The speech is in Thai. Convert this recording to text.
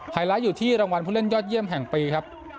ไลท์อยู่ที่รางวัลผู้เล่นยอดเยี่ยมแห่งปีครับ